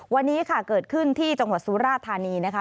วันนี้ค่ะเกิดขึ้นที่จังหวัดสุราธานีนะคะ